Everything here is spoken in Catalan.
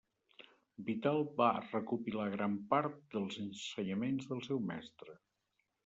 Vital va recopilar gran part dels ensenyaments del seu mestre.